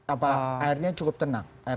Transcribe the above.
atau airnya cukup tenang